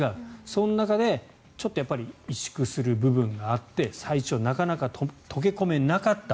その中で萎縮する部分があって最初なかなか溶け込めなかった。